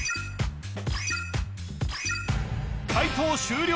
解答終了